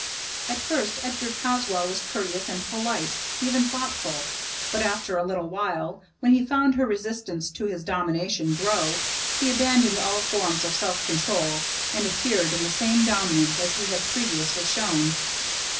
At first Edgar Caswall was courteous and polite, even thoughtful; but after a little while, when he found her resistance to his domination grow, he abandoned all forms of self control and appeared in the same dominance as he had previously shown.